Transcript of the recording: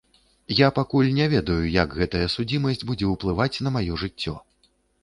Я пакуль не ведаю, як гэтая судзімасць будзе ўплываць на маё жыццё.